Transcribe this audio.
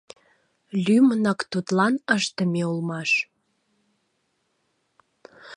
Лӱмынак тудлан ыштыме улмаш.